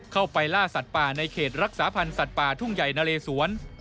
เข้าไปล่าสัตว์ป่าในเขตรักษาพันธ์สัตว์ป่าทุ่งใหญ่นะเลสวน